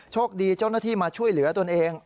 โชคดีเจ้าหน้าที่มาช่วยเหลือตนเอง